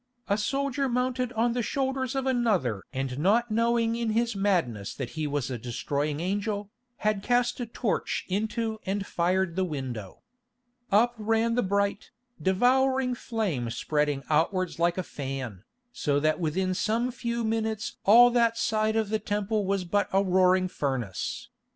A soldier mounted on the shoulders of another and not knowing in his madness that he was a destroying angel, had cast a torch into and fired the window. Up ran the bright, devouring flame spreading outwards like a fan, so that within some few minutes all that side of the Temple was but a roaring furnace.